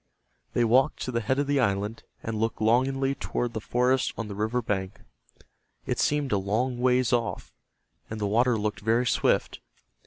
They walked to the head of the island, and looked longingly toward the forest on the river bank. It seemed a long ways off, and the water looked very swift.